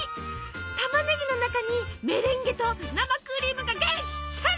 たまねぎの中にメレンゲと生クリームがぎっしり！